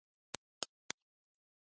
なんだか寒気がする